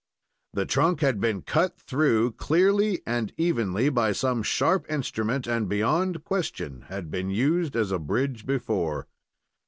The trunk had been cut through, clearly and evenly, by some sharp instrument, and beyond question had been used as a bridge before.